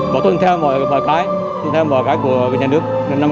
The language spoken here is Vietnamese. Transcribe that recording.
bảo tồn theo mọi cái bảo tồn theo mọi cái của nhà nước năm k của nhà nước